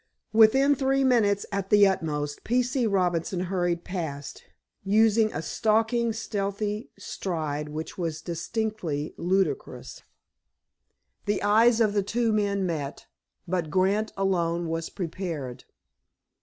Within three minutes, at the utmost, P. C. Robinson hurried past, using a stalking, stealthy stride which was distinctly ludicrous. The eyes of the two men met, but Grant alone was prepared.